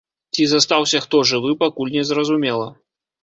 Ці застаўся хто жывы, пакуль не зразумела.